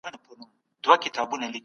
د طلاق د کچي د لوړېدو سبب باید وڅیړل سي.